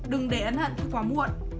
đừng để ấn hận khi quá muộn